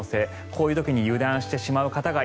こういう時に油断してしまう方が。